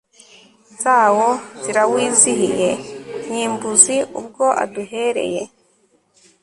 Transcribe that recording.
zawo zirawizihiye Nyimbuzi ubwo aduhereye